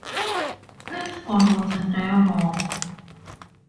Its goal was a dialogue.